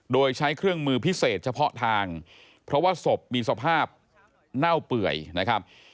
โดยใช้เครื่องมือพิเศษเฉพาะทางเพราะว่าศพมีสภาพเน่าเปื่อยนะครับ